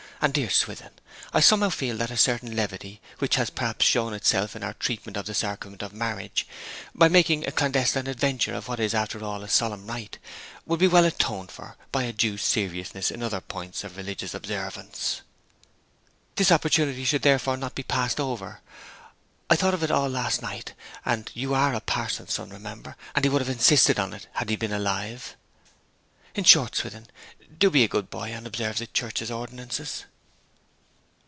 And, dear Swithin, I somehow feel that a certain levity which has perhaps shown itself in our treatment of the sacrament of marriage by making a clandestine adventure of what is, after all, a solemn rite would be well atoned for by a due seriousness in other points of religious observance. This opportunity should therefore not be passed over. I thought of it all last night; and you are a parson's son, remember, and he would have insisted on it if he had been alive. In short, Swithin, do be a good boy, and observe the Church's ordinances.'